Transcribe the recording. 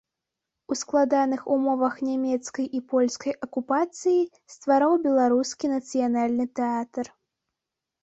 У складаных умовах нямецкай і польскай акупацыі ствараў беларускі нацыянальны тэатр.